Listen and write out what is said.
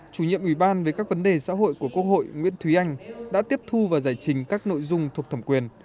chủ nhiệm ủy ban về các vấn đề xã hội của quốc hội nguyễn thúy anh đã tiếp thu và giải trình các nội dung thuộc thẩm quyền